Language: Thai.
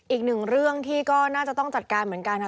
อีกหนึ่งเรื่องที่ก็น่าจะต้องจัดการเหมือนกัน